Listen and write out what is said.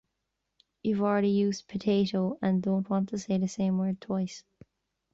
you've already used "potato" and don't want to say the same word twice.